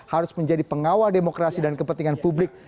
harus menjadi pengawal demokrasi dan kepentingan publik